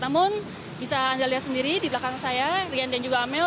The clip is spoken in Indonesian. namun bisa anda lihat sendiri di belakang saya rian dan juga amel